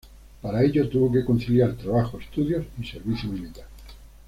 Para ello, tuvo que conciliar trabajo, estudios y servicio militar.